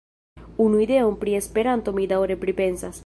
Unu ideon pri Esperanto mi daŭre pripensas.